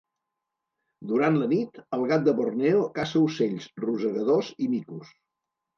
Durant la nit, el gat de Borneo caça ocells, rosegadors i micos.